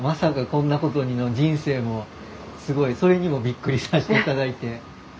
こんなコトに」の人生もすごいそれにもびっくりさせて頂いて。